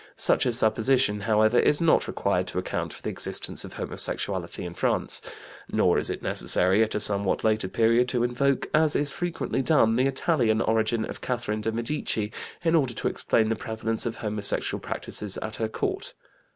Such a supposition, however, is not required to account for the existence of homosexuality in France. Nor is it necessary, at a somewhat later period, to invoke, as is frequently done, the Italian origin of Catherine de Medici, in order to explain the prevalence of homosexual practices at her court.